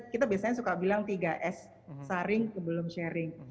kita biasanya suka bilang tiga s saring sebelum sharing